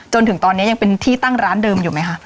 จนถึงตอนนี้ยังเป็นที่ตั้งร้านเดิมอยู่ไหมคะ